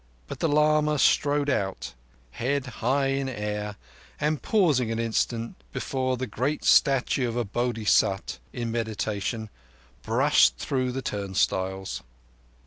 But the lama strode out, head high in air, and pausing an instant before the great statue of a Bodhisat in meditation, brushed through the turnstiles.